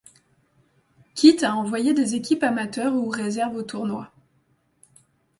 Quitte à envoyer des équipes amateures ou réserves au tournoi.